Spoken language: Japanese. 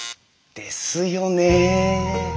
ですよね。